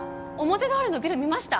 表通りのビル見ました？